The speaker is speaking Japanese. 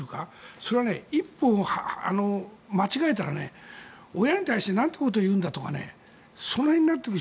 それは一歩間違えたら親に対してなんてことを言うんだとかその辺になってくる。